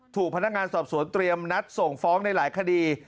ถูกพนักงานสอบสวนเตรียมนัดส่งฟ้องในหลายคดี